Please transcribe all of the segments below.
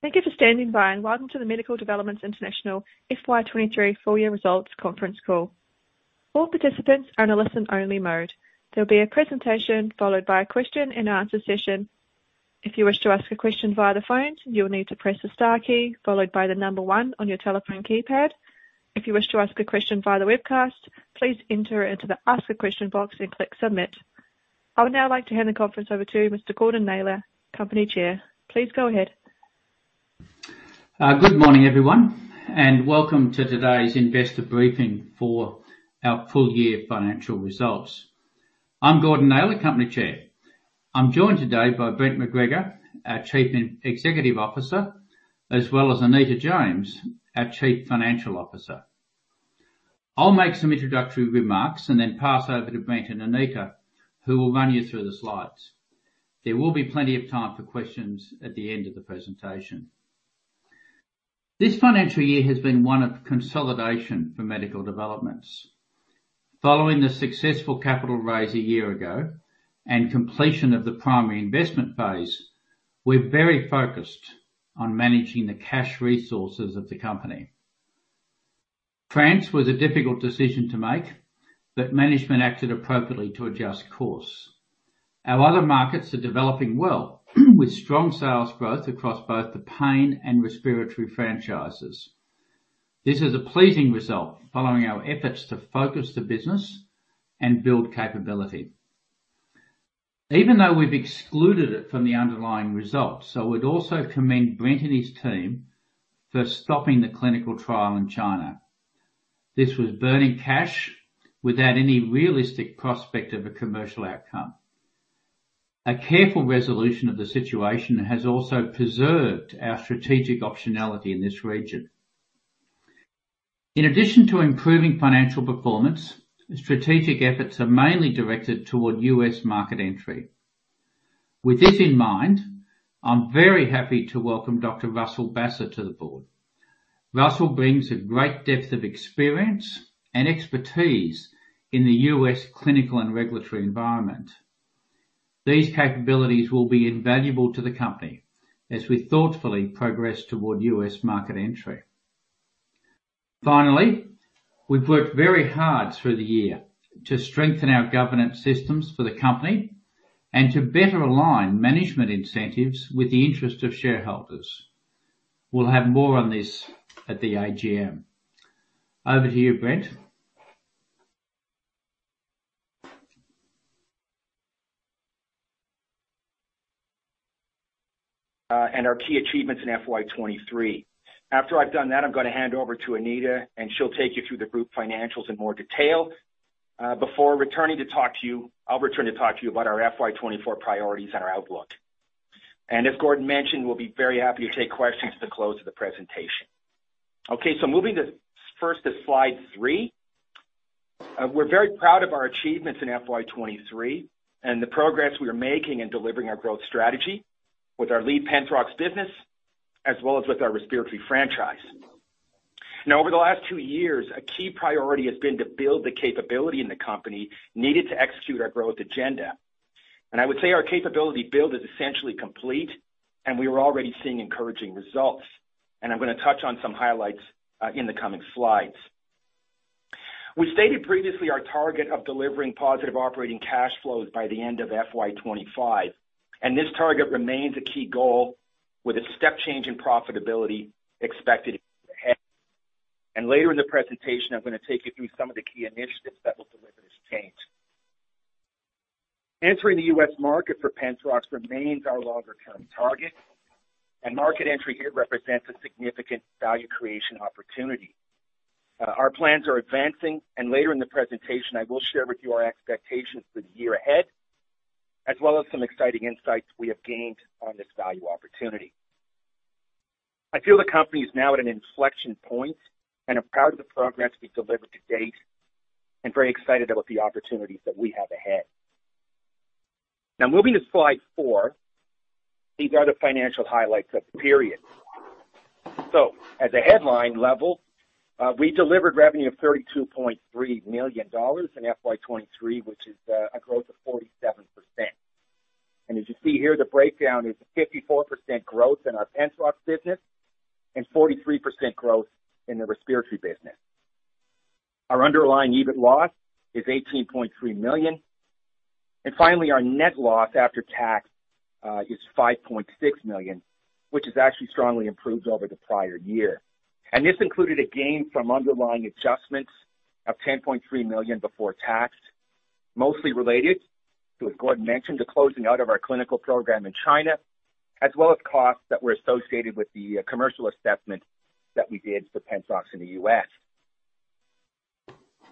Thank you for standing by. Welcome to the Medical Developments International FY23 full year results conference call. All participants are in a listen-only mode. There will be a presentation followed by a question and answer session. If you wish to ask a question via the phones, you'll need to press the star key followed by the one on your telephone keypad. If you wish to ask a question via the webcast, please enter it into the Ask a Question box and click Submit. I would now like to hand the conference over to Mr. Gordon Naylor, Company Chair. Please go ahead. Good morning, everyone, and welcome to today's investor briefing for our full year financial results. I'm Gordon Naylor, Company Chair. I'm joined today by Brent MacGregor, our Chief Executive Officer, as well as Anita James, our Chief Financial Officer. I'll make some introductory remarks and then pass over to Brent and Anita, who will run you through the slides. There will be plenty of time for questions at the end of the presentation. This financial year has been one of consolidation for Medical Developments. Following the successful capital raise a year ago and completion of the primary investment phase, we're very focused on managing the cash resources of the company. France was a difficult decision to make, but management acted appropriately to adjust course. Our other markets are developing well, with strong sales growth across both the pain and respiratory franchises. This is a pleasing result following our efforts to focus the business and build capability. Even though we've excluded it from the underlying results, I would also commend Brent and his team for stopping the clinical trial in China. This was burning cash without any realistic prospect of a commercial outcome. A careful resolution of the situation has also preserved our strategic optionality in this region. In addition to improving financial performance, strategic efforts are mainly directed toward U.S. market entry. With this in mind, I'm very happy to welcome Dr. Russell Basser to the board. Russell brings a great depth of experience and expertise in the U.S. clinical and regulatory environment. These capabilities will be invaluable to the company as we thoughtfully progress toward U.S. market entry. Finally, we've worked very hard through the year to strengthen our governance systems for the company and to better align management incentives with the interest of shareholders. We'll have more on this at the AGM. Over to you, Brent. ... our key achievements in FY23. After I've done that, I'm gonna hand over to Anita, and she'll take you through the group financials in more detail before returning to talk to you. I'll return to talk to you about our FY24 priorities and our outlook. As Gordon mentioned, we'll be very happy to take questions at the close of the presentation. Moving to, first to slide three. We're very proud of our achievements in FY23 and the progress we are making in delivering our growth strategy with our lead Penthrox business, as well as with our respiratory franchise. Now, over the last two years, a key priority has been to build the capability in the company needed to execute our growth agenda. I would say our capability build is essentially complete, and we are already seeing encouraging results. I'm gonna touch on some highlights in the coming slides. We stated previously our target of delivering positive operating cash flows by the end of FY25, and this target remains a key goal with a step change in profitability expected ahead. Later in the presentation, I'm gonna take you through some of the key initiatives that will deliver this change. Entering the U.S. market for Penthrox remains our longer-term target, and market entry here represents a significant value creation opportunity. Our plans are advancing, and later in the presentation, I will share with you our expectations for the year ahead, as well as some exciting insights we have gained on this value opportunity. I feel the company is now at an inflection point, and I'm proud of the progress we've delivered to date, and very excited about the opportunities that we have ahead. Now, moving to slide four, these are the financial highlights of the period. As a headline level, we delivered revenue of 32.3 million dollars in FY23, which is a growth of 47%. As you see here, the breakdown is a 54% growth in our Penthrox business and 43% growth in the respiratory business. Our underlying EBIT loss is 18.3 million. Finally, our net loss after tax is 5.6 million, which has actually strongly improved over the prior year. This included a gain from underlying adjustments of 10.3 million before tax, mostly related to, as Gordon mentioned, the closing out of our clinical program in China, as well as costs that were associated with the commercial assessment that we did for Penthrox in the U.S.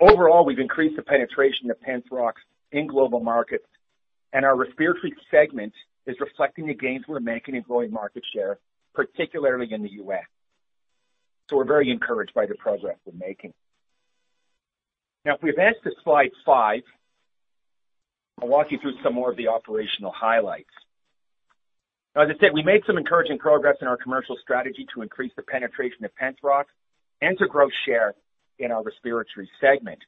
Overall, we've increased the penetration of Penthrox in global markets, and our respiratory segment is reflecting the gains we're making in growing market share, particularly in the U.S. We're very encouraged by the progress we're making. If we advance to slide five, I'll walk you through some more of the operational highlights. As I said, we made some encouraging progress in our commercial strategy to increase the penetration of Penthrox and to grow share in our respiratory segment.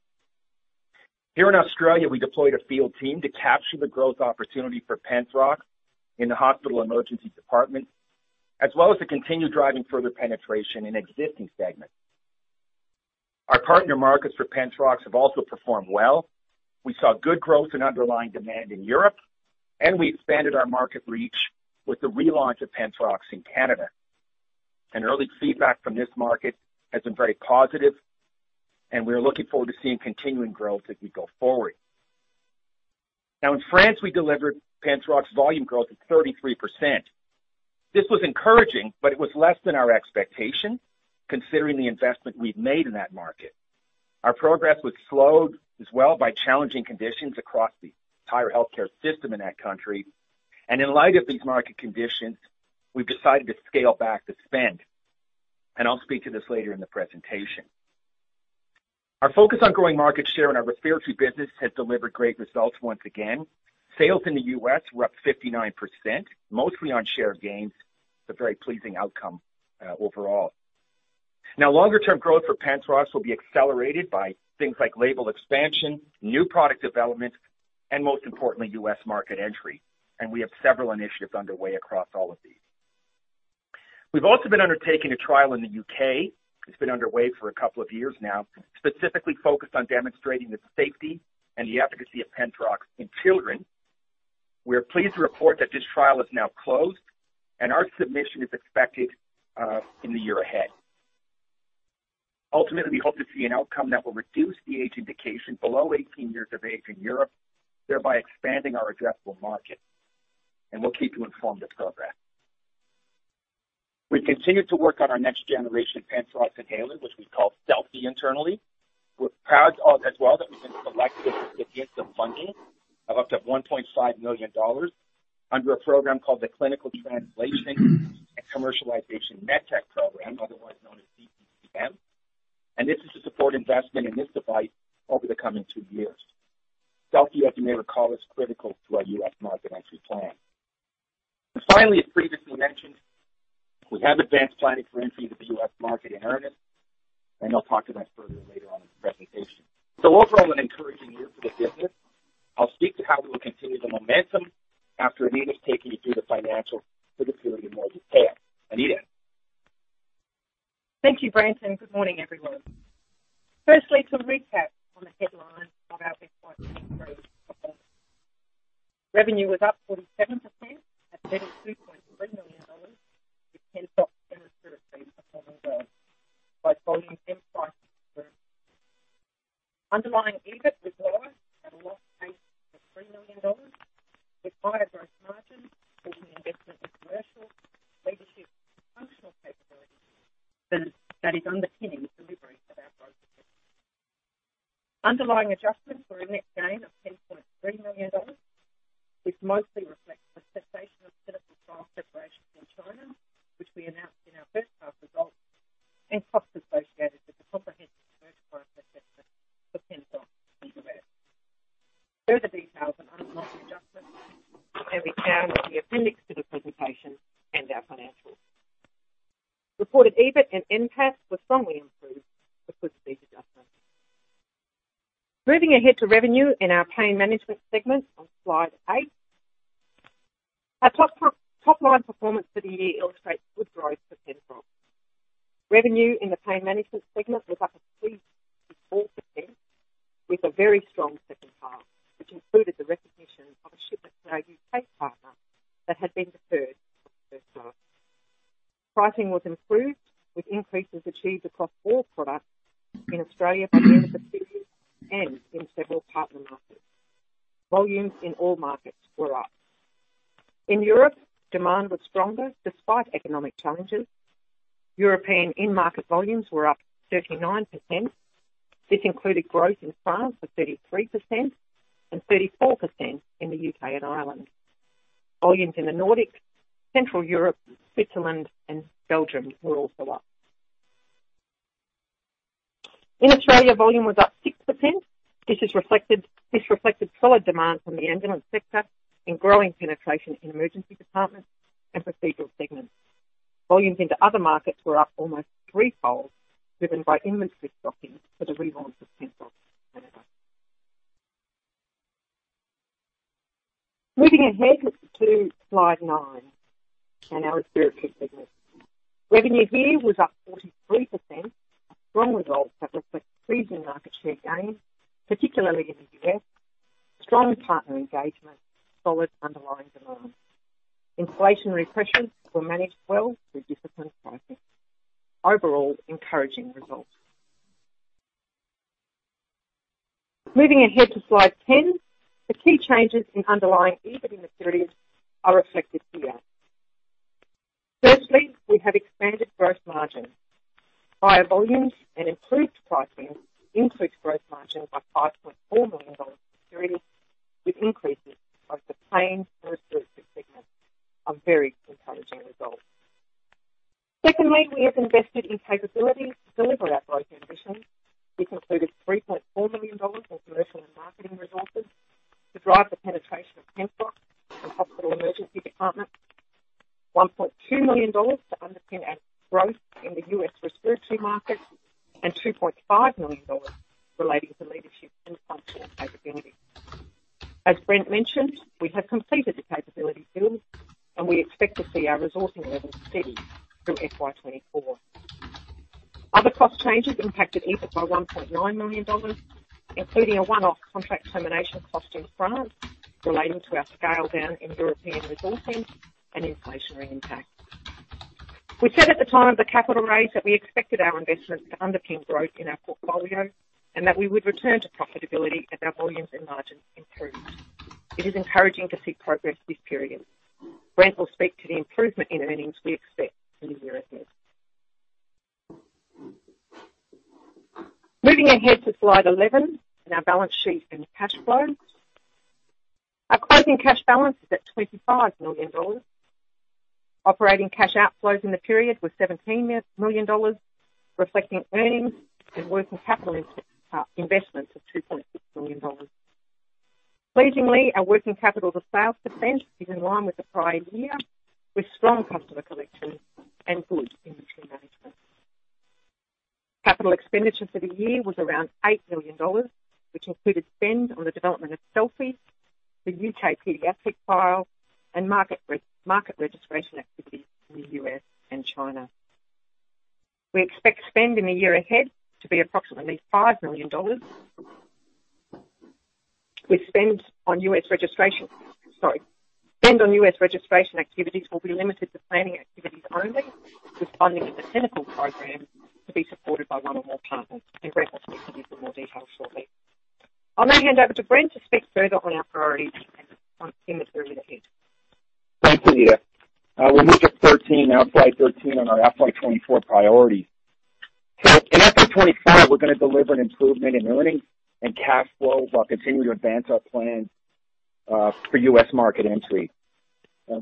Here in Australia, we deployed a field team to capture the growth opportunity for Penthrox in the hospital emergency department, as well as to continue driving further penetration in existing segments. Our partner markets for Penthrox have also performed well. We saw good growth and underlying demand in Europe. We expanded our market reach with the relaunch of Penthrox in Canada. Early feedback from this market has been very positive, and we're looking forward to seeing continuing growth as we go forward. Now, in France, we delivered Penthrox volume growth of 33%. This was encouraging, but it was less than our expectation, considering the investment we've made in that market. Our progress was slowed as well by challenging conditions across the entire healthcare system in that country. In light of these market conditions, we've decided to scale back the spend, and I'll speak to this later in the presentation. Our focus on growing market share in our respiratory business has delivered great results once again. Sales in the U.S. were up 59%, mostly on share gains, a very pleasing outcome, overall. Now, longer-term growth for Penthrox will be accelerated by things like label expansion, new product development, and most importantly, U.S. market entry. We have several initiatives underway across all of these. We've also been undertaking a trial in the U.K. It's been underway for a couple of years now, specifically focused on demonstrating the safety and the efficacy of Penthrox in children. We are pleased to report that this trial is now closed. Our submission is expected in the year ahead. Ultimately, we hope to see an outcome that will reduce the age indication below 18 years of age in Europe, thereby expanding our addressable market. We'll keep you informed of progress. We continue to work on our next generation Penthrox inhaler, which we call Selfie internally. We're proud of as well, that we've been selected to get the funding of up to 1.5 million dollars under a program called the Clinical Translation and Commercialization Medtech Program, otherwise known as CTCM. This is to support investment in this device over the coming two years. Selfie, as you may recall, is critical to our U.S. market entry plan. Finally, as previously mentioned, we have advanced planning for entry into the U.S. market in earnest, and I'll talk to that further later on in the presentation. Overall, an encouraging year for the business. I'll speak to how we will continue the momentum after Anita's taken you through the financial for the full year in more detail. Anita? Thank you, Brent. Good morning, everyone. Firstly, to recap on the headlines of our FY23 performance. Revenue was up 47% at 32.3 million dollars, with Penthrox and Respiratory performing well, by volume and price. Underlying EBIT was lower, at a loss of AUD `18.3 million, with higher gross margin and investment in commercial leadership functional capabilities that is underpinning the delivery of our growth. Underlying adjustments were a net gain of 10.3 million dollars, which mostly reflects the cessation of clinical trial preparation in China, which we announced in our first half results, and costs associated with the comprehensive commercial process for Penthrox in the U.S. Further details on adjustment can be found in the appendix to the presentation and our financials. Reported EBIT and NPAT were strongly improved for good state adjustments. Moving ahead to revenue in our pain management segment on slide eight. Our top, top line performance for the year illustrates good growth for Penthrox. Revenue in the pain management segment was up 54%, with a very strong second half, which included the recognition of a shipment to our U.K. partner that had been deferred from the first half. Pricing was improved, with increases achieved across all products in Australia by the end of the year and in several partner markets. Volumes in all markets were up. In Europe, demand was stronger despite economic challenges. European in-market volumes were up 39%. This included growth in France of 33% and 34% in the U.K. and Ireland. Volumes in the Nordics, Central Europe, Switzerland, and Belgium were also up. In Australia, volume was up 6%. This reflected solid demand from the ambulance sector in growing penetration in emergency departments and procedural segments. Volumes into other markets were up almost threefold, driven by inventory stocking for the relaunch of Penthrox. Moving ahead to slide nine and our respiratory business. Revenue here was up 43%. Strong results that reflect freezing market share gains, particularly in the U.S. Strong partner engagement, solid underlying demand. Inflationary pressures were managed well through disciplined pricing. Overall, encouraging results. Moving ahead to slide 10, the key changes in underlying EBIT in the period are reflected here. Firstly, we have expanded gross margin. Higher volumes and improved pricing increased gross margin by 5.4 million dollars, with increases of the same for respiratory segments, a very encouraging result. Secondly, we have invested in capabilities to deliver our growth ambitions, which included 3.4 million dollars for commercial and marketing resources to drive the penetration of Penthrox in hospital emergency departments. 1.2 million dollars to underpin our growth in the U.S. respiratory market, and 2.5 million dollars relating to leadership and functional capability. As Brent mentioned, we have completed the capability build, and we expect to see our resourcing levels steady through FY24. Other cost changes impacted EBIT by AUD 1.9 million, including a one-off contract termination cost in France relating to our scale down in European resourcing and inflationary impact. We said at the time of the capital raise that we expected our investment to underpin growth in our portfolio and that we would return to profitability as our volumes and margins improved. It is encouraging to see progress this period. Brent will speak to the improvement in earnings we expect in the year ahead. Moving ahead to slide 11, and our balance sheet and cash flow. Our closing cash balance is at AUD 25 million. Operating cash outflows in the period were AUD 17 million, reflecting earnings and working capital investments of AUD 2.6 million. Pleasingly, our working capital to sales % is in line with the prior year, with strong customer collection and good inventory management. Capital expenditure for the year was around 8 million dollars, which included spend on the development of Selfie, the U.K. pediatric file, and market registration activities in the U.S. and China. We expect spend in the year ahead to be approximately 5 million dollars. With spend on U.S. registration... Sorry. Spend on U.S. registration activities will be limited to planning activities only, with funding of the clinical program to be supported by one or more partners, and Brent will give you more details shortly. I'll now hand over to Brent to speak further on our priorities and on the year ahead. Thanks, Anita. We'll move to 13, now, slide 13 on our FY24 priorities. In FY25, we're going to deliver an improvement in earnings and cash flow, while continuing to advance our plan for U.S. market entry.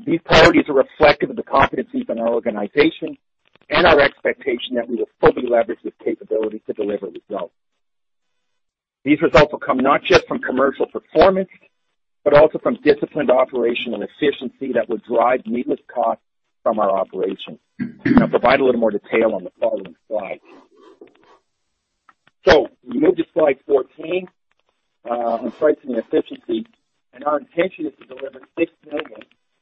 These priorities are reflective of the competencies in our organization and our expectation that we will fully leverage this capability to deliver results. These results will come not just from commercial performance, but also from disciplined operation and efficiency that will drive needless costs from our operations. I'll provide a little more detail on the following slide. We move to slide 14 on pricing and efficiency, and our intention is to deliver 6 million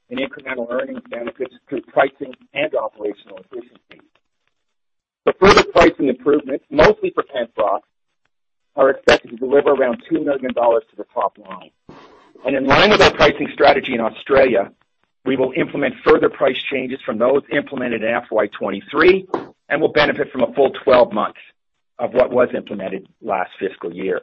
in incremental earnings benefits through pricing and operational efficiency. The further pricing improvements, mostly for Penthrox, are expected to deliver around 2 million dollars to the top line. In line with our pricing strategy in Australia, we will implement further price changes from those implemented in FY23, and will benefit from a full 12 months of what was implemented last fiscal year.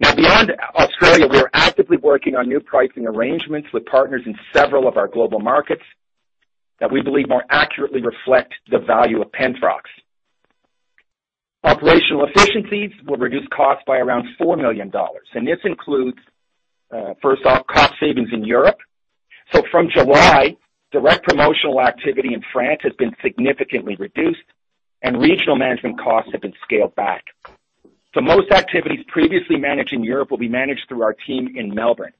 Beyond Australia, we are actively working on new pricing arrangements with partners in several of our global markets that we believe more accurately reflect the value of Penthrox. Operational efficiencies will reduce costs by around $4 million, and this includes, first off, cost savings in Europe. From July, direct promotional activity in France has been significantly reduced and regional management costs have been scaled back. Most activities previously managed in Europe will be managed through our team in Melbourne.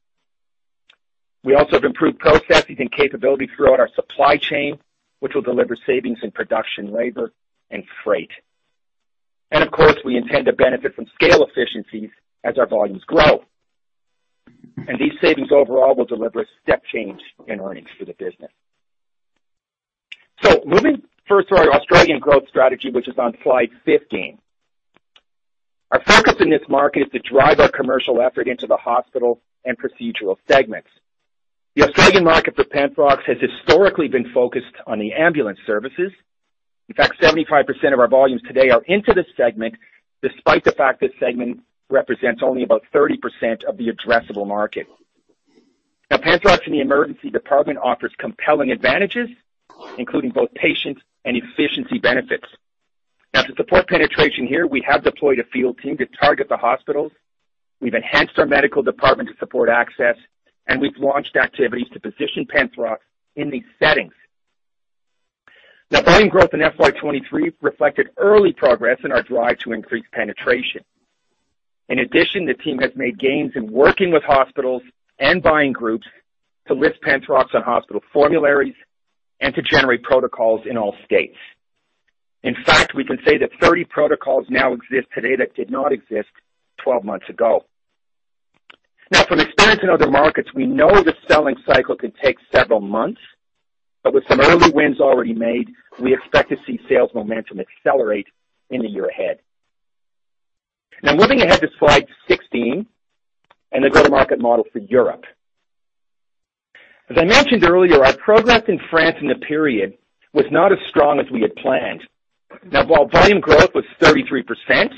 We also have improved processes and capabilities throughout our supply chain, which will deliver savings in production, labor, and freight. Of course, we intend to benefit from scale efficiencies as our volumes grow. These savings overall will deliver a step change in earnings for the business. Moving first to our Australian growth strategy, which is on slide 15. Our focus in this market is to drive our commercial effort into the hospital and procedural segments. The Australian market for Penthrox has historically been focused on the ambulance services. In fact, 75% of our volumes today are into this segment, despite the fact this segment represents only about 30% of the addressable market. Penthrox in the emergency department offers compelling advantages, including both patients and efficiency benefits. To support penetration here, we have deployed a field team to target the hospitals. We've enhanced our medical department to support access, and we've launched activities to position Penthrox in these settings. Volume growth in FY23 reflected early progress in our drive to increase penetration. In addition, the team has made gains in working with hospitals and buying groups to list Penthrox on hospital formularies and to generate protocols in all states. In fact, we can say that 30 protocols now exist today that did not exist 12 months ago. From experience in other markets, we know the selling cycle can take several months, but with some early wins already made, we expect to see sales momentum accelerate in the year ahead. Moving ahead to slide 16, and the go-to-market model for Europe. As I mentioned earlier, our progress in France in the period was not as strong as we had planned. While volume growth was 33%,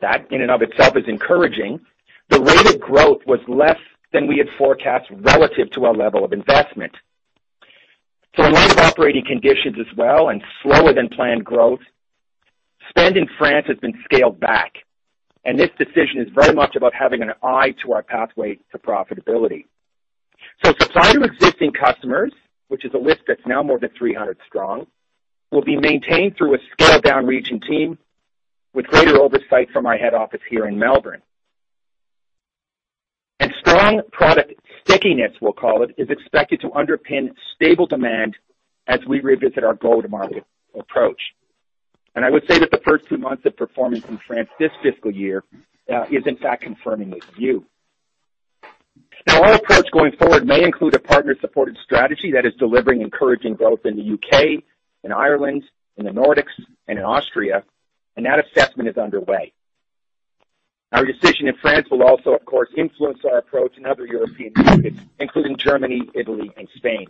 that in and of itself is encouraging, the rate of growth was less than we had forecast relative to our level of investment. In light of operating conditions as well and slower than planned growth, spend in France has been scaled back, and this decision is very much about having an eye to our pathway to profitability. Supply to existing customers, which is a list that's now more than 300 strong, will be maintained through a scaled-down regional team with greater oversight from our head office here in Melbourne. Strong product stickiness, we'll call it, is expected to underpin stable demand as we revisit our go-to-market approach. I would say that the first two months of performance in France this fiscal year is in fact confirming this view. Our approach going forward may include a partner-supported strategy that is delivering encouraging growth in the U.K., in Ireland, in the Nordics, and in Austria, and that assessment is underway. Our decision in France will also, of course, influence our approach in other European markets, including Germany, Italy, and Spain,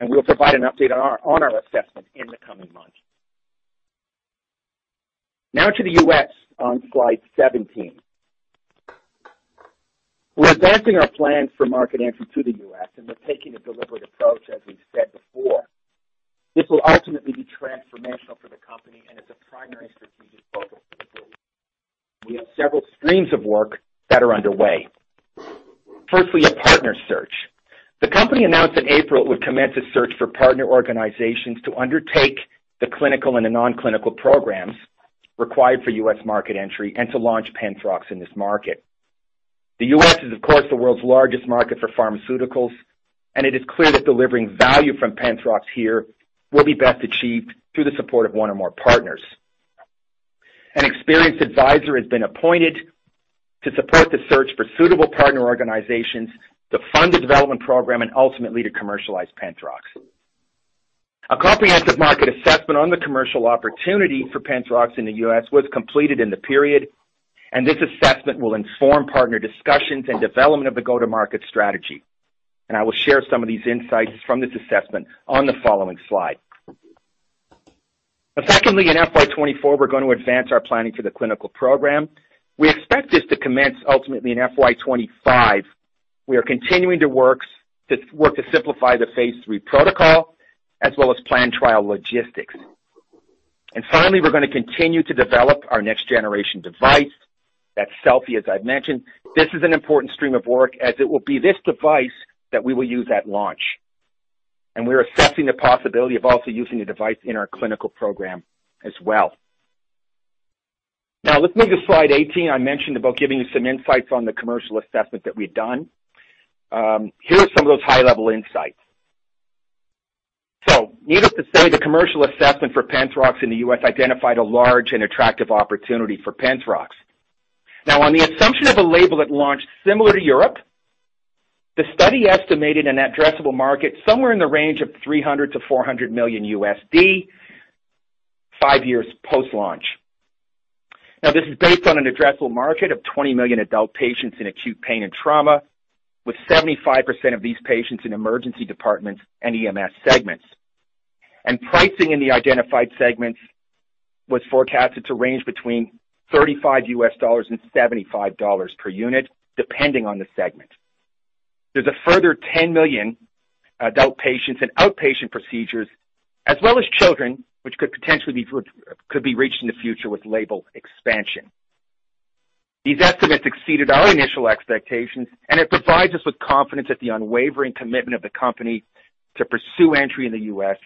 and we'll provide an update on our assessment in the coming months. To the U.S. on slide 17. We're advancing our plans for market entry to the U.S., and we're taking a deliberate approach, as we've said before. This will ultimately be transformational for the company and is a primary strategic focus for the group. We have several streams of work that are underway. Firstly, a partner search. The company announced in April it would commence a search for partner organizations to undertake the clinical and the non-clinical programs required for U.S. market entry and to launch Penthrox in this market. The U.S. is, of course, the world's largest market for pharmaceuticals, and it is clear that delivering value from Penthrox here will be best achieved through the support of one or more partners. An experienced advisor has been appointed to support the search for suitable partner organizations to fund the development program and ultimately to commercialize Penthrox. A comprehensive market assessment on the commercial opportunity for Penthrox in the U.S. was completed in the period, this assessment will inform partner discussions and development of the go-to-market strategy. I will share some of these insights from this assessment on the following slide. Secondly, in FY24, we're going to advance our planning for the clinical program. We expect this to commence ultimately in FY25. We are continuing to work to simplify the phase III protocol as well as plan trial logistics. Finally, we're gonna continue to develop our next generation device. That's Selfie, as I've mentioned. This is an important stream of work, as it will be this device that we will use at launch, and we're assessing the possibility of also using the device in our clinical program as well. Now, let's move to slide 18. I mentioned about giving you some insights on the commercial assessment that we've done. Here are some of those high-level insights. Needless to say, the commercial assessment for Penthrox in the U.S. identified a large and attractive opportunity for Penthrox. On the assumption of a label that launched similar to Europe, the study estimated an addressable market somewhere in the range of $300 million-$400 million, 5 years post-launch. This is based on an addressable market of 20 million adult patients in acute pain and trauma, with 75% of these patients in emergency departments and EMS segments. Pricing in the identified segments was forecasted to range between $35 and $75 per unit, depending on the segment. There's a further 10 million adult patients in outpatient procedures, as well as children, which could be reached in the future with label expansion. These estimates exceeded our initial expectations, and it provides us with confidence that the unwavering commitment of the company to pursue entry in the U.S.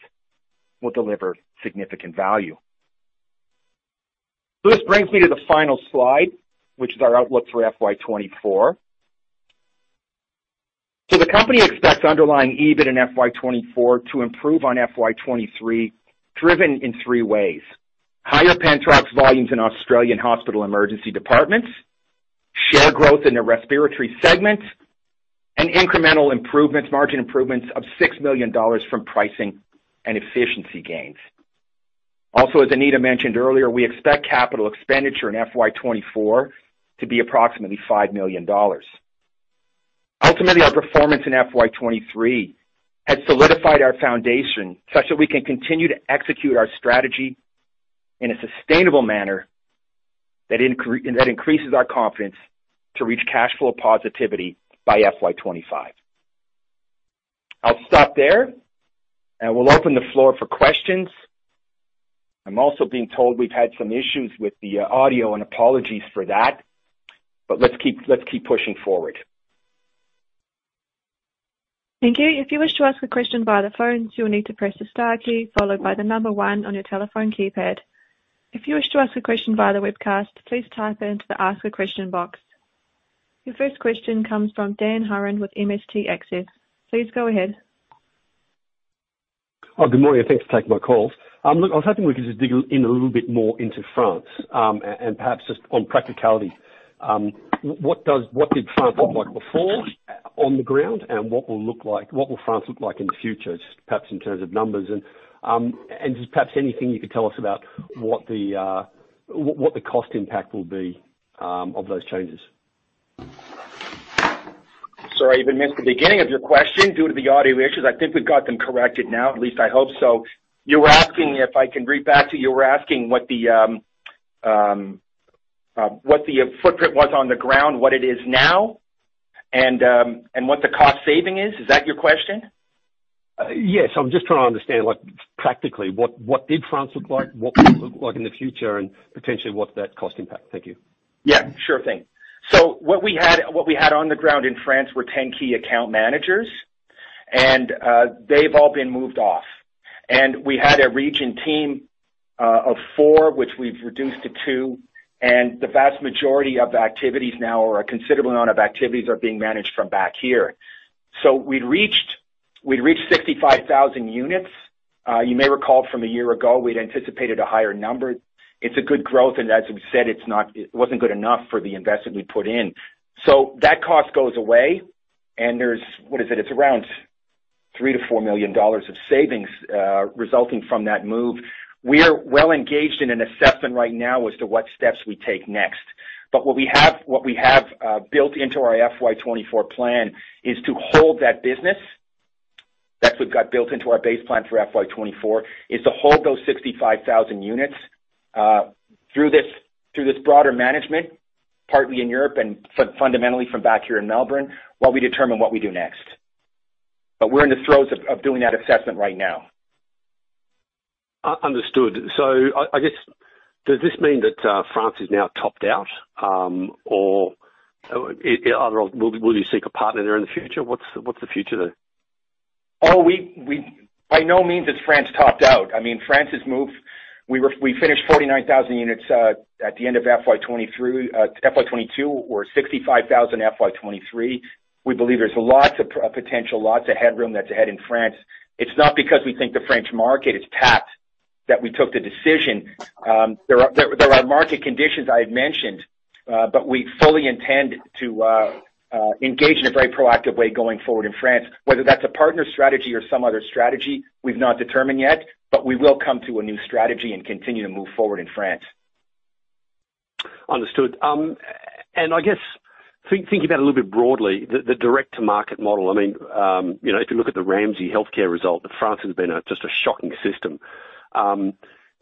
will deliver significant value. This brings me to the final slide, which is our outlook for FY24. The company expects underlying EBIT in FY24 to improve on FY23, driven in three ways: higher Penthrox volumes in Australian hospital emergency departments, share growth in the respiratory segment, and incremental improvements, margin improvements of 6 million dollars from pricing and efficiency gains. As Anita mentioned earlier, we expect capital expenditure in FY24 to be approximately 5 million dollars. Our performance in FY23 has solidified our foundation such that we can continue to execute our strategy in a sustainable manner that increases our confidence to reach cash flow positivity by FY25. I'll stop there, and we'll open the floor for questions. I'm also being told we've had some issues with the audio, and apologies for that, but let's keep pushing forward. Thank you. If you wish to ask a question via the phone, you'll need to press the star key followed by the 1 on your telephone keypad. If you wish to ask a question via the webcast, please type into the Ask a Question box. Your first question comes from Dan Hurren with MST Access. Please go ahead. Good morning, and thanks for taking my call. Look, I was hoping we could just dig in a little bit more into France, and perhaps just on practicality. What did France look like before on the ground and what will France look like in the future, just perhaps in terms of numbers? Just perhaps anything you could tell us about what the cost impact will be of those changes? Sorry, I even missed the beginning of your question due to the audio issues. I think we've got them corrected now, at least I hope so. You were asking, if I can read back to you, you were asking what the what the footprint was on the ground, what it is now, and what the cost saving is. Is that your question? Yes, I'm just trying to understand, like, practically, what, what did France look like, what it look like in the future, and potentially what's that cost impact? Thank you. Yeah, sure thing. What we had, what we had on the ground in France were 10 key account managers. They've all been moved off. We had a region team of four, which we've reduced to two, and the vast majority of the activities now, or a considerable amount of activities, are being managed from back here. We'd reached, we'd reached 65,000 units. You may recall from a year ago, we'd anticipated a higher number. It's a good growth, and as we've said, it's not- it wasn't good enough for the investment we put in. That cost goes away, and there's, What is it? It's around 3 million-4 million dollars of savings resulting from that move. We are well engaged in an assessment right now as to what steps we take next. What we have, what we have built into our FY24 plan is to hold that business. That's what got built into our base plan for FY24, is to hold those 65,000 units through this, through this broader management, partly in Europe and fundamentally from back here in Melbourne, while we determine what we do next. We're in the throes of doing that assessment right now. Understood. I, I guess, does this mean that France is now topped out, or will you seek a partner there in the future? What's the future there? Oh, we, by no means is France topped out. I mean, France's move, we were, we finished 49,000 units at the end of FY23, FY22, or 65,000 FY23. We believe there's lots of potential, lots of headroom that's ahead in France. It's not because we think the French market is tapped that we took the decision. There are, there, there are market conditions I had mentioned, but we fully intend to engage in a very proactive way going forward in France. Whether that's a partner strategy or some other strategy, we've not determined yet, but we will come to a new strategy and continue to move forward in France. Understood. I guess, thinking about it a little bit broadly, the, the direct-to-market model. I mean, you know, if you look at the Ramsay Health Care result, France has been a, just a shocking system.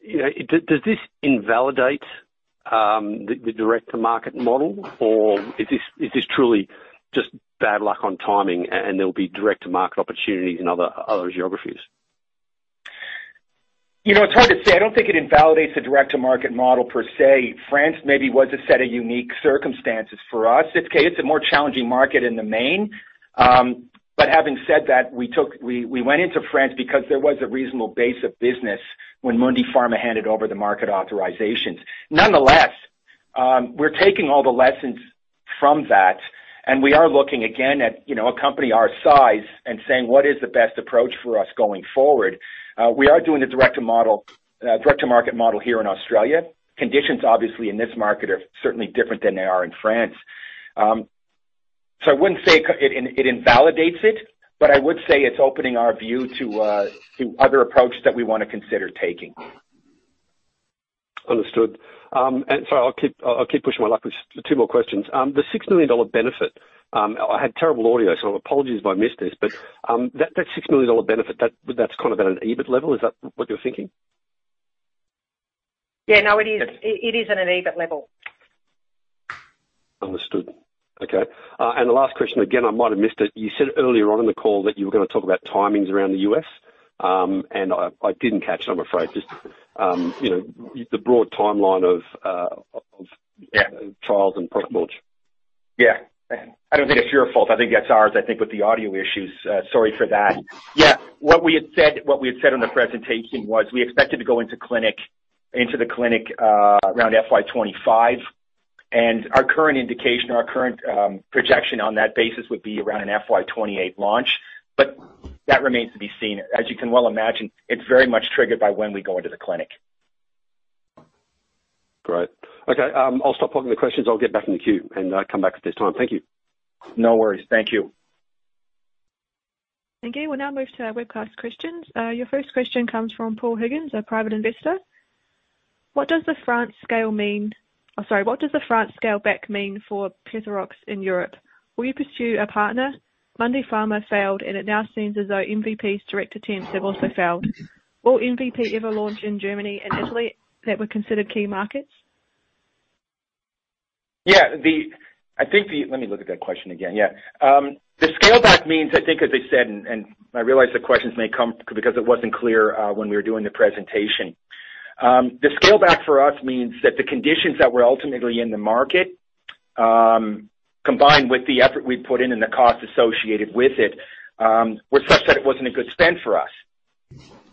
You know, does this invalidate the direct-to-market model, or is this, is this truly just bad luck on timing, and there will be direct-to-market opportunities in other, other geographies? You know, it's hard to say. I don't think it invalidates the direct-to-market model per se. France maybe was a set of unique circumstances for us. It's a, it's a more challenging market in the main. Having said that, we went into France because there was a reasonable base of business when Mundipharma handed over the market authorizations. Nonetheless, we're taking all the lessons from that, and we are looking again at, you know, a company our size and saying, What is the best approach for us going forward? We are doing the direct-to-model, direct-to-market model here in Australia. Conditions, obviously, in this market are certainly different than they are in France. I wouldn't say it, it invalidates it, but I would say it's opening our view to other approaches that we want to consider taking. Understood. I'll keep, I'll keep pushing my luck with two more questions. The 6 million dollar benefit, I had terrible audio, so apologies if I missed this, but that, that 6 million dollar benefit, that, that's kind of at an EBIT level. Is that what you're thinking? Yeah. No, it is. It, it is at an EBIT level. Understood. Okay. The last question, again, I might have missed it. You said earlier on in the call that you were gonna talk about timings around the U.S., and I, I didn't catch it, I'm afraid. Just, you know, the broad timeline of, of- Yeah. trials and product launch. Yeah. I don't think it's your fault. I think that's ours. I think with the audio issues, sorry for that. Yeah. What we had said, what we had said on the presentation was, we expected to go into clinic, into the clinic, around FY25, and our current indication or our current projection on that basis would be around an FY28 launch, but that remains to be seen. As you can well imagine, it's very much triggered by when we go into the clinic. Great. Okay, I'll stop popping the questions. I'll get back in the queue and come back at this time. Thank you. No worries. Thank you. Thank you. We'll now move to our webcast questions. Your first question comes from Paul Higgins, a private investor. What does the France scale mean... Oh, sorry. What does the France scale back mean for Penthrox in Europe? Will you pursue a partner? Mundipharma failed, and it now seems as though MVP's direct attempts have also failed. Will MVP ever launch in Germany and Italy, that were considered key markets? Yeah. The... I think the... Let me look at that question again. Yeah. The scale back means, I think, as I said, I realize the questions may come because it wasn't clear when we were doing the presentation. The scale back for us means that the conditions that were ultimately in the market, combined with the effort we put in and the cost associated with it, were such that it wasn't a good spend for us.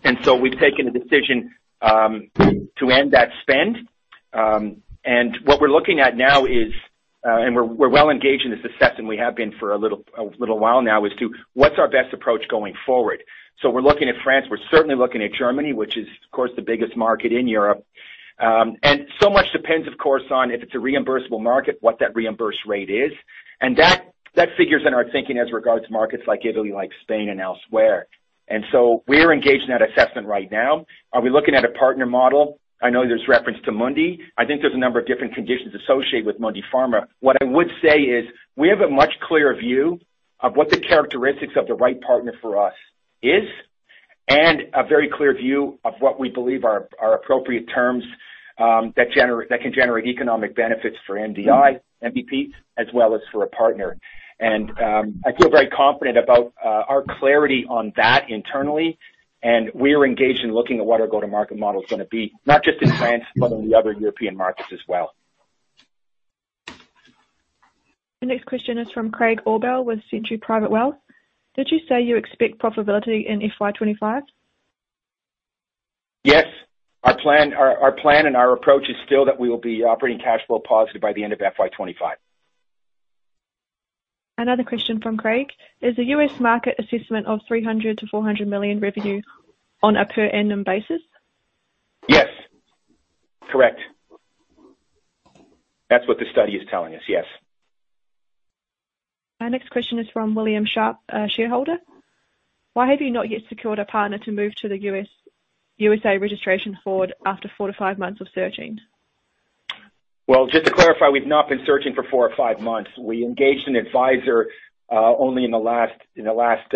We've taken the decision to end that spend, what we're looking at now is, we're, we're well engaged in this assessment, we have been for a little, a little while now, is to, what's our best approach going forward? We're looking at France. We're certainly looking at Germany, which is, of course, the biggest market in Europe. So much depends, of course, on if it's a reimbursable market, what that reimbursed rate is, and that, that figures in our thinking as regards to markets like Italy, like Spain, and elsewhere. So we're engaged in that assessment right now. Are we looking at a partner model? I know there's reference to Mundi. I think there's a number of different conditions associated with Mundipharma. What I would say is, we have a much clearer view of what the characteristics of the right partner for us is, and a very clear view of what we believe are, are appropriate terms that can generate economic benefits for MDI, MVP, as well as for a partner. I feel very confident about our clarity on that internally, and we are engaged in looking at what our go-to-market model is gonna be, not just in France, but in the other European markets as well. The next question is from Craig Aubel with Century Private Wealth. Did you say you expect profitability in FY25? Yes. Our plan, our plan and our approach is still that we will be operating cash flow positive by the end of FY25. Another question from Craig: Is the U.S. market assessment of $300 million-$400 million revenue on a per annum basis? Yes. Correct. That's what the study is telling us. Yes. Our next question is from William Sharp, a shareholder. Why have you not yet secured a partner to move to the U.S.- U.S.A registration forward after four to five months of searching? Well, just to clarify, we've not been searching for four or five months. We engaged an advisor, only in the last, in the last,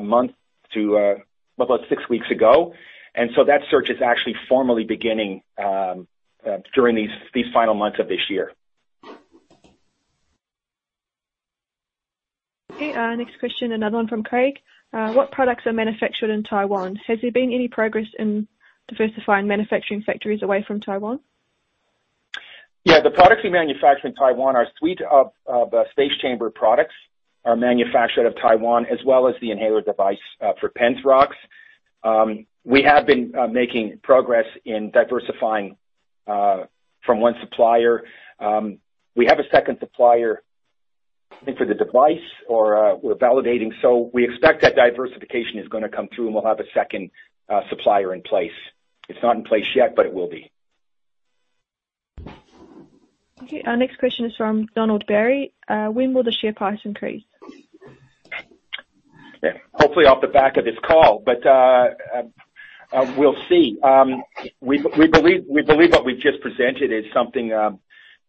month to, about 6 weeks ago, and so that search is actually formally beginning, during these, these final months of this year. Okay, next question, another one from Craig. What products are manufactured in Taiwan? Has there been any progress in diversifying manufacturing factories away from Taiwan? Yeah, the products we manufacture in Taiwan, our suite of, of, Space Chamber products are manufactured out of Taiwan, as well as the inhaler device, for Penthrox. We have been making progress in diversifying from one supplier. We have a second supplier, I think, for the device or, we're validating. We expect that diversification is gonna come through and we'll have a second supplier in place. It's not in place yet, but it will be. Okay. Our next question is from Donald Berry. When will the share price increase? Yeah, hopefully off the back of this call, but we'll see. We, we believe, we believe what we've just presented is something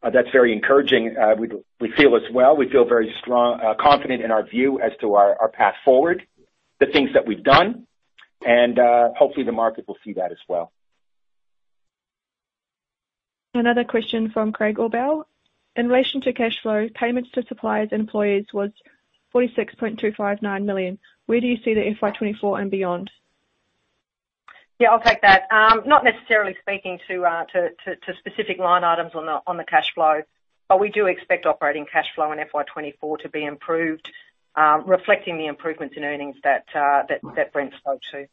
that's very encouraging. We, we feel as well. We feel very strong, confident in our view as to our, our path forward, the things that we've done, and hopefully, the market will see that as well. Another question from Craig Aubel. In relation to cash flow, payments to suppliers and employees was 46.259 million. Where do you see the FY24 and beyond? Yeah, I'll take that. Not necessarily speaking to specific line items on the cash flow, but we do expect operating cash flow in FY24 to be improved, reflecting the improvements in earnings that Brent spoke to.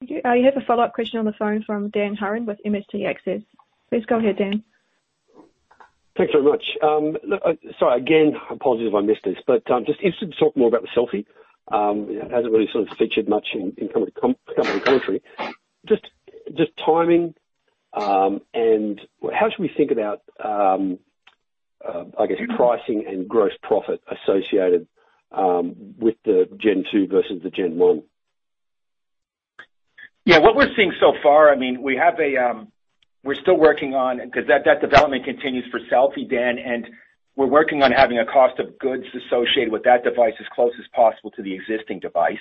Thank you. You have a follow-up question on the phone from Dan Hurren with MST Access. Please go ahead, Dan. Thanks very much. Sorry again, I'm positive I missed this, but just if you could talk more about the Selfie. It hasn't really sort of featured much in. Just, just timing, and how should we think about, I guess, pricing and gross profit associated with the Gen 2 versus the Gen 1? Yeah, what we're seeing so far, I mean, we have a, We're still working on, because that, that development continues for Selfie, Dan, and we're working on having a cost of goods associated with that device as close as possible to the existing device.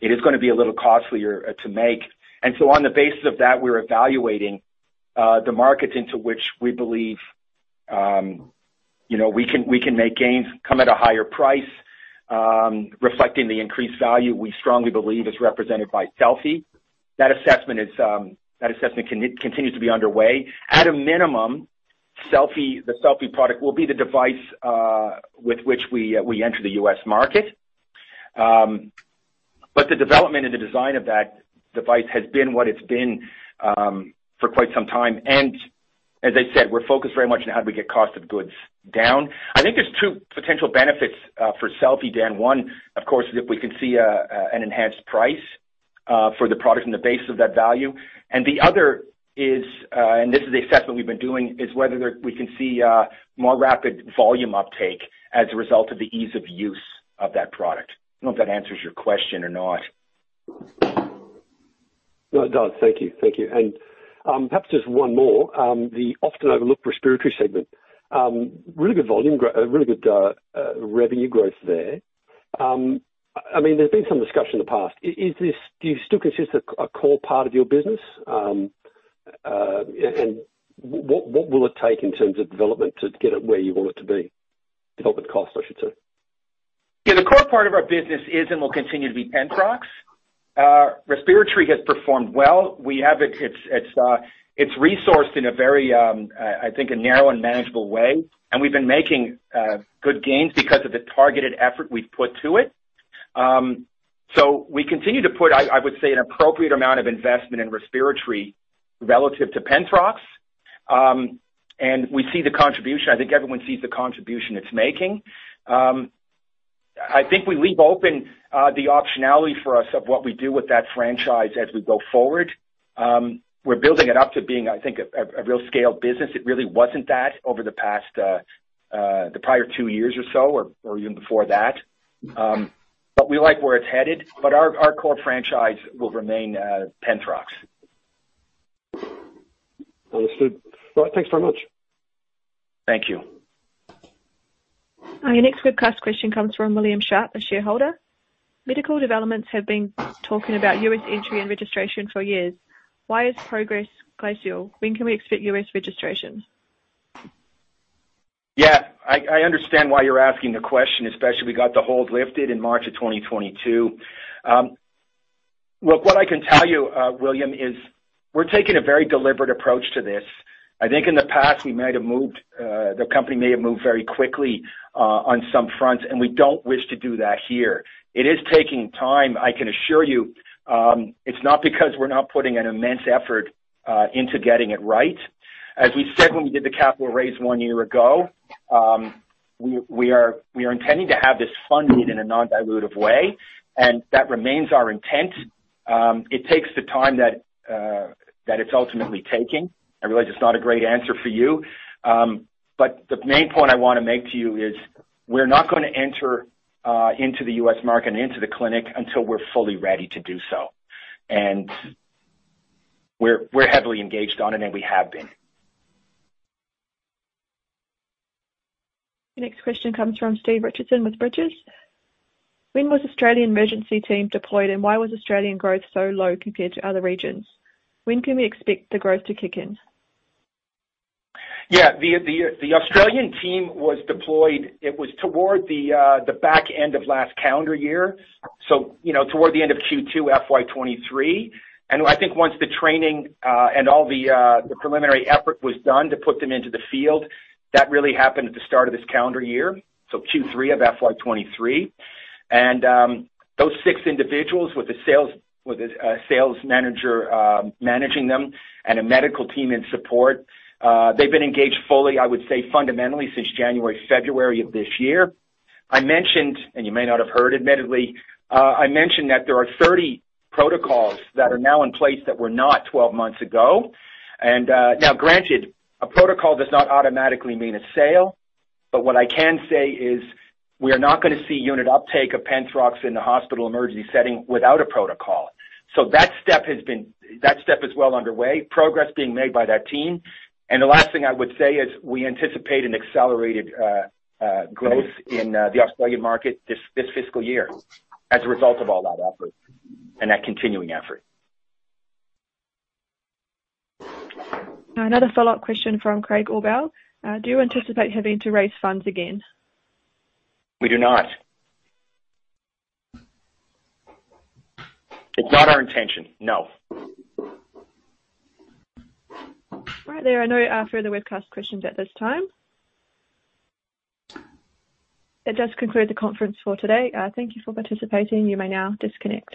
It is gonna be a little costlier to make, and so on the basis of that, we're evaluating the markets into which we believe, you know, we can, we can make gains come at a higher price, reflecting the increased value we strongly believe is represented by Selfie. That assessment is, that assessment continues to be underway. At a minimum, Selfie, the Selfie product will be the device with which we, we enter the U.S. market. The development and the design of that device has been what it's been for quite some time, and as I said, we're focused very much on how do we get cost of goods down. I think there's two potential benefits for Selfie, Dan. One, of course, is if we can see an enhanced price for the product and the basis of that value. The other is, and this is the assessment we've been doing, is whether we can see more rapid volume uptake as a result of the ease of use of that product. I don't know if that answers your question or not. No, it does. Thank you. Thank you. Perhaps just one more, the often overlooked respiratory segment. Really good volume growth, really good revenue growth there. I mean, there's been some discussion in the past. Do you still consider this a, a core part of your business? What, what will it take in terms of development to get it where you want it to be? Development cost, I should say. Yeah, the core part of our business is, and will continue to be Penthrox. Respiratory has performed well. We have it. It's, it's, it's resourced in a very, I think, a narrow and manageable way, and we've been making good gains because of the targeted effort we've put to it. We continue to put, I, I would say, an appropriate amount of investment in respiratory relative to Penthrox. We see the contribution. I think everyone sees the contribution it's making. I think we leave open the optionality for us of what we do with that franchise as we go forward. We're building it up to being, I think, a, a, a real scaled business. It really wasn't that over the past, the prior two years or so, or, or even before that. We like where it's headed, but our, our core franchise will remain, Penthrox. Understood. All right, thanks very much. Thank you. Your next webcast question comes from William Sharp, a shareholder. Medical Developments have been talking about U.S. entry and registration for years. Why is progress glacial? When can we expect U.S. registration? Yeah, I, I understand why you're asking the question, especially we got the hold lifted in March of 2022. Look, what I can tell you, William, is we're taking a very deliberate approach to this. I think in the past, we might have moved, the company may have moved very quickly, on some fronts, and we don't wish to do that here. It is taking time. I can assure you, it's not because we're not putting an immense effort, into getting it right. As we said, when we did the capital raise one year ago, we, we are, we are intending to have this funded in a non-dilutive way, and that remains our intent. It takes the time that, that it's ultimately taking. I realize it's not a great answer for you, but the main point I wanna make to you is, we're not gonna enter, into the U.S. market and into the clinic until we're fully ready to do so. We're, we're heavily engaged on it, and we have been. The next question comes from Steve Richardson with Bridges. When was Australian emergency team deployed, why was Australian growth so low compared to other regions? When can we expect the growth to kick in? Yeah. The, the, the Australian team was deployed... It was toward the back end of last calendar year, so, you know, toward the end of Q2 FY23. I think once the training and all the preliminary effort was done to put them into the field, that really happened at the start of this calendar year, so Q3 of FY23. Those six individuals with a sales, with a, a sales manager, managing them and a medical team in support, they've been engaged fully, I would say, fundamentally, since January, February of this year. I mentioned, and you may not have heard, admittedly, I mentioned that there are 30 protocols that are now in place that were not 12 months ago. Now, granted, a protocol does not automatically mean a sale, but what I can say is we are not gonna see unit uptake of Penthrox in the hospital emergency setting without a protocol. That step is well underway. Progress being made by that team. The last thing I would say is, we anticipate an accelerated growth in the Australian market this, this fiscal year as a result of all that effort and that continuing effort. Another follow-up question from Craig Aubel. Do you anticipate having to raise funds again? We do not. It's not our intention, no. All right. There are no further webcast questions at this time. That does conclude the conference for today. Thank you for participating. You may now disconnect.